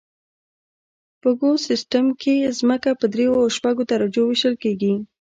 په ګوس سیستم کې ځمکه په دریو او شپږو درجو ویشل کیږي